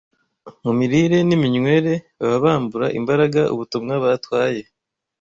mu mirire n’iminywere baba bambura imbaraga ubutumwa batwaye.